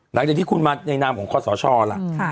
หลังจากที่คุณมาในนามของคอสชล่ะ